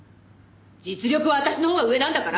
実力は私のほうが上なんだから！